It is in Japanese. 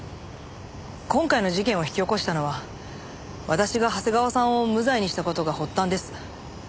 今回の事件を引き起こしたのは私が長谷川さんを無罪にした事が発端です。